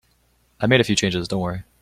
I made a few changes, don't worry.